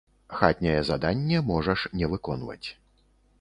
Хатняе заданне можаш не выконваць.